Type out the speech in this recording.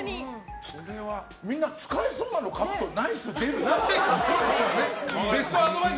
みんな、使えそうなの書くとナイス出るよ。